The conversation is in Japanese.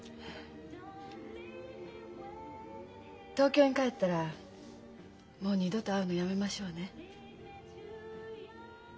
東京に帰ったらもう二度と会うのやめましょうね。